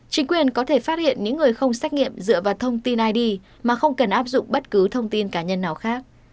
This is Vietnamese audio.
chính quyền có thể phát hiện những người không xét nghiệm dựa vào thông tin id mà không cần áp dụng bất cứ thông tin cá nhân nào khác